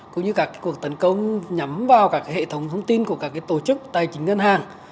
cũng như các cuộc tấn công nhắm vào các hệ thống thông tin của các tổ chức tài chính ngân hàng